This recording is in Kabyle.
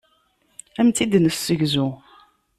Ad am-tt-id-nessegzu.